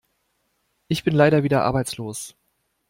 Ich bin leider wieder arbeitslos.